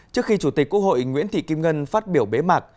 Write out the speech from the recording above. trước khi chủ tịch quốc hội nguyễn thị kim ngân phát biểu bế mạc